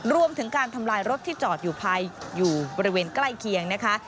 รวมถึงการทำลายรถที่จอดอยู่บริเวณใกล้เคียงนะคะ